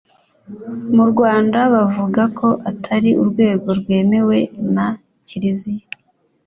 mu rwanda buvuga ko atari urwego rwemewe na kiliziya